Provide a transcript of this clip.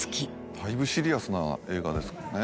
だいぶシリアスな映画ですもんね。